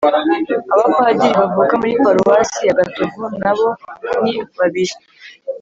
abapadiri bavuka muri paruwasi ya gatovu nabo ni babiri